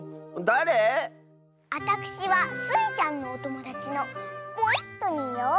あたくしはスイちゃんのおともだちのポイットニーよ。